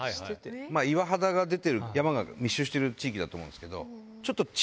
岩肌が出てる山が密集してる地域だと思うんですけど。